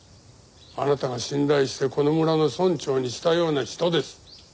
あなたが信頼してこの村の村長にしたような人です。